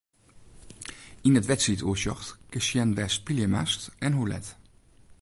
Yn it wedstriidoersjoch kinst sjen wêr'tst spylje moatst en hoe let.